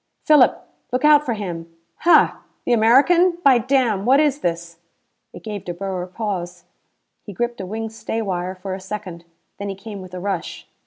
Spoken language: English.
"Philip, look out for him!" "Hah! The American. By damn, what is this?" It gave De Boer pause. He gripped a wing stay wire for a second. Then he came with a rush.